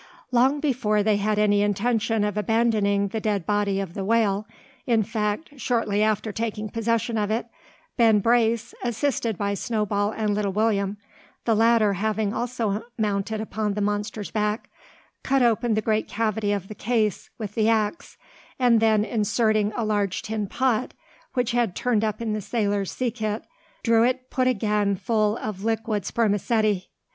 Long before they had any intention of abandoning the dead body of the whale, in fact shortly after taking possession of it, Ben Brace, assisted by Snowball and little William, the latter having also mounted upon the monster's back, cut open the great cavity of the "case" with the axe; and then inserting a large tin pot, which had turned up in the sailor's sea kit, drew it put again full of liquid spermaceti.